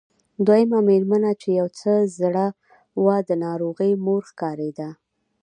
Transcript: دويمه مېرمنه چې يو څه زړه وه د ناروغې مور ښکارېده.